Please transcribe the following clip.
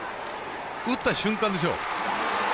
打った瞬間でしょう。